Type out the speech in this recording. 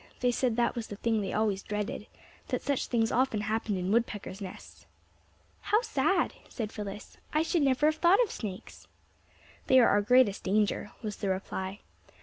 They said that was the thing they always dreaded, that such things often happened in woodpeckers' nests." "How sad!" said Phyllis. "I should never have thought of snakes!" "They are our greatest danger," was the reply.